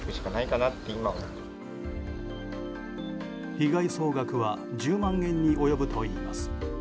被害総額は１０万円に及ぶといいます。